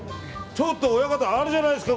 ちょっと親方あるじゃないですか！